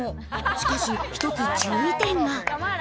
しかし一つ注意点が。